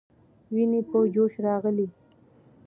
ويني په جوش راغلې.